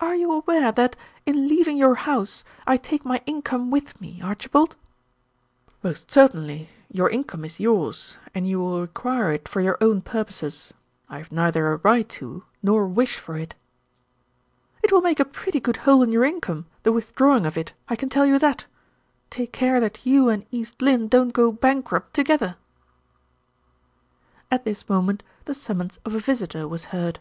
"Are you aware that, in leaving your house, I take my income with me, Archibald?" "Most certainly. Your income is yours, and you will require it for your own purposes. I have neither a right to, nor wish for it." "It will make a pretty good hole in your income, the withdrawing of it, I can tell you that. Take care that you and East Lynne don't go bankrupt together." At this moment the summons of a visitor was heard.